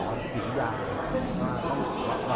ในนี้ก็คุยกับหมออิทรยา